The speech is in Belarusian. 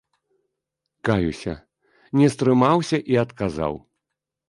Каюся, не стрымаўся і адказаў.